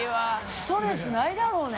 ストレスないだろうね。